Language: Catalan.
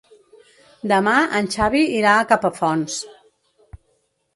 Demà en Xavi irà a Capafonts.